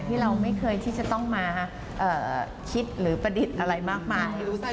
ที่เราไม่เคยที่จะต้องมาคิดหรือประดิษฐ์อะไรมากมาย